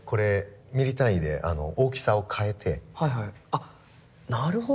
あっなるほど！